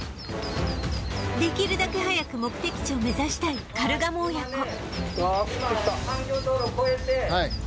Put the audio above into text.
できるだけ早く目的地を目指したいカルガモ親子